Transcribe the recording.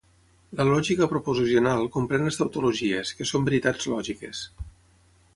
La lògica proposicional comprèn les tautologies, que són veritats lògiques.